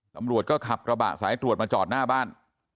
ตำรวจก็ขับกระบะสายตรวจมาจอดหน้าบ้าน